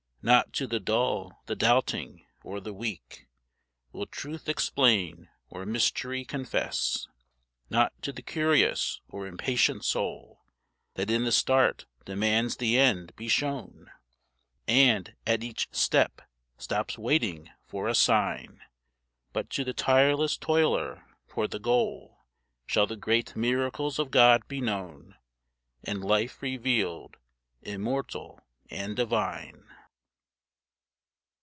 Not to the dull, the doubting, or the weak, Will Truth explain, or Mystery confess. Not to the curious or impatient soul That in the start, demands the end be shown, And at each step, stops waiting for a sign; But to the tireless toiler toward the goal, Shall the great miracles of God be known And life revealed, immortal and divine.